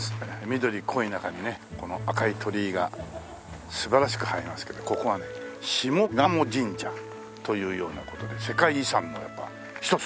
緑濃い中にねこの赤い鳥居が素晴らしく映えますけどここはね下鴨神社というような事で世界遺産のやっぱり一つという事でね。